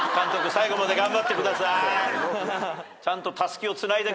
最後まで頑張ってください。